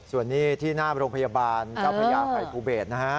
ส่วนนี้ที่หน้าโรงพยาบาลเจ้าพระยาภัยภูเบศนะฮะ